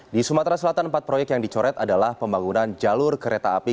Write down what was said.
di sumatera selatan empat proyek yang dicoret adalah pembangunan jalur kereta api